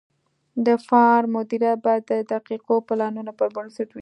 د فارم مدیریت باید د دقیقو پلانونو پر بنسټ وي.